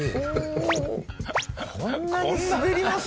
こんなに滑ります？